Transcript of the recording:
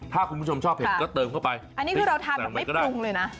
ถ้าคุณผู้ชมชอบเห็นก็เติมเข้าไปอันนี้คือเราทานแบบไม่ปรุงเลยนะ